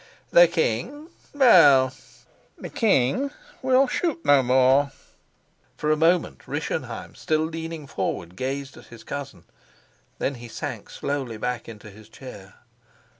"The king? Well, the king will shoot no more." For a moment Rischenheim, still leaning forward, gazed at his cousin. Then he sank slowly back into his chair.